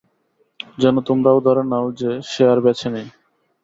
যেন তোমরাও ধরে নাও যে সে আর বেঁচে নেই।